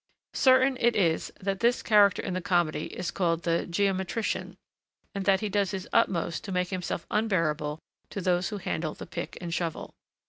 Certain it is that this character in the comedy is called the geometrician, and that he does his utmost to make himself unbearable to those who handle the pick and shovel.